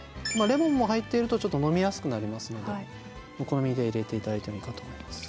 レモンも入っているとちょっと飲みやすくなりますのでお好みで入れて頂いてもいいかと思います。